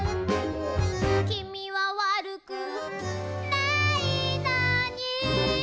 「きみはわるくないのに」